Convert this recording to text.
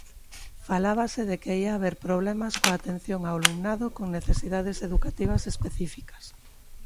Falábase de que ía haber problemas coa atención ao alumnado con necesidades educativas específicas.